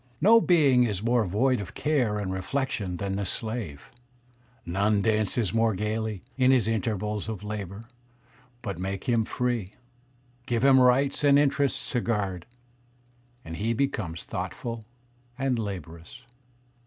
No being is more void of care and reflection than the slave; none dances more gayly, in his intervals of labour; but make him free, give him rights and interests to guard, and he becomes thoughtful and laborious."